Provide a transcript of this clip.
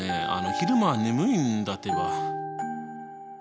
昼間は眠いんだってば。